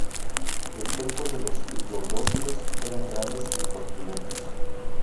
Los cuerpos de los diplodócidos eran grandes y corpulentos.